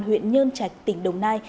huyện nhơn trạch tỉnh đồng nai